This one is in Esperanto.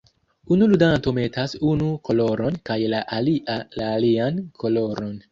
Unu ludanto metas unu koloron kaj la alia la alian koloron.